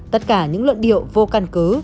tất cả những luận điệu vô căn cứ